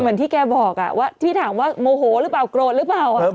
เหมือนที่แกบอกว่าที่ถามว่าโมโหหรือเปล่าโกรธหรือเปล่า